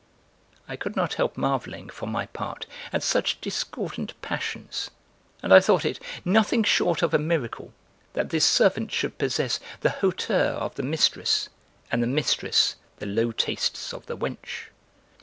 I could not help marveling, for my part, at such discordant passions, and I thought it nothing short of a miracle that this servant should possess the hauteur of the mistress and the mistress the low tastes of the wench!